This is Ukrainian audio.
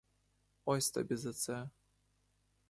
Ось тобі за це!